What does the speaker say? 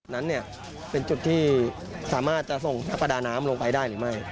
นั้นเป็นจุดที่สามารถจะส่งนักประดาน้ำลงไปได้หรือไม่